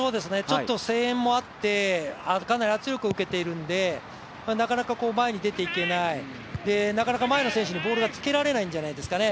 声援もあってかなり圧力を受けているのでなかなか前に出て行けない前の選手にボールがつけられないんじゃないでしょうかね。